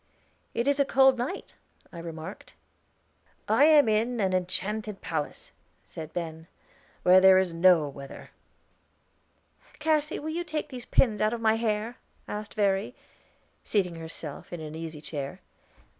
"It is a cold night," I remarked. "I am in an enchanted palace," said Ben, "where there is no weather." "Cassy, will you take these pins out of my hair?" asked Verry, seating herself in an easy chair.